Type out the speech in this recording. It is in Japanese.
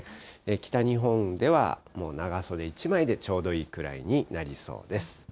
北日本ではもう長袖１枚でちょうどいいくらいになりそうです。